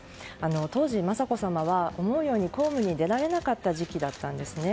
当時、雅子さまは思うように公務に出られなかった時期なんですね。